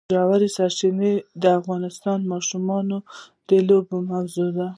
ژورې سرچینې د افغان ماشومانو د لوبو موضوع ده.